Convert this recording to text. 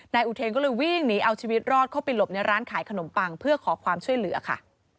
อุเทนก็เลยวิ่งหนีเอาชีวิตรอดเข้าไปหลบในร้านขายขนมปังเพื่อขอความช่วยเหลือค่ะ